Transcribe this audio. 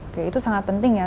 oke itu sangat penting ya